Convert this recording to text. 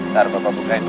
taruh papa bukain dulu